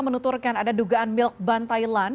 menuturkan ada dugaan milk ban thailand